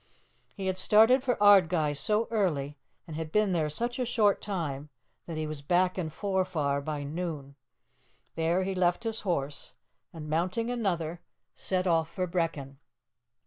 He had started for Ardguys so early, and had been there such a short time, that he was back in Forfar by noon. There he left his horse, and, mounting another, set off for Brechin.